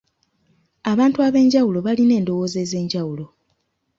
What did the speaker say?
Abantu abenjawulo balina endowooza ezenjawulo.